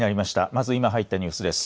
まず今入ったニュースです。